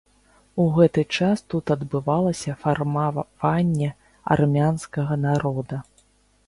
У гэты час тут адбывалася фармаванне армянскага народа.